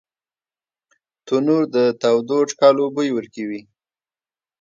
تنور د تودو نانو بوی ورکوي